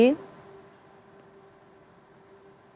terlihat sangat sejuk